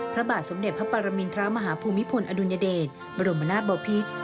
พระบาทสมเด็จพระปรมินทรามหาภูมิพลอดุญเดชบรมนาตเบาภิกษ์